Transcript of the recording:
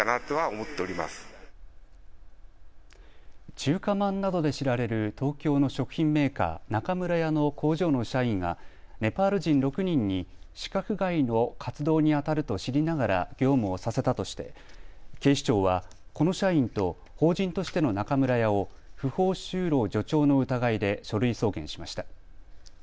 中華まんなどで知られる東京の食品メーカー、中村屋の工場の社員がネパール人６人に資格外の活動にあたると知りながら業務をさせたとして警視庁はこの社員と法人としての中村屋を不法就労助長の疑いで書類送検しました。